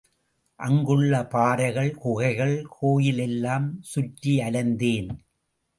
அங்குள்ள பாறைகள், குகைகள், கோயில் எல்லாம் சுற்றி அலைந்தேன்.